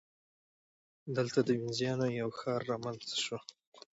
دلته د وینزیانو یو ښار رامنځته شو